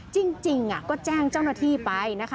จริงก็แจ้งเจ้าหน้าที่ไปนะคะ